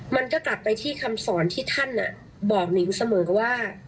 มันก็กลับไปที่คำสอนที่ท่านบอกนิงเสมอว่า